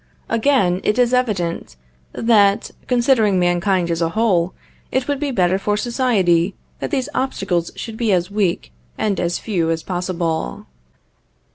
Again it is evident, that, considering mankind as a whole, it would be better for society that these obstacles should be as weak and as few as possible.